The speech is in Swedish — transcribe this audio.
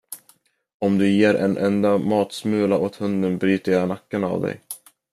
Om du ger en enda matsmula åt hunden bryter jag nacken av dig.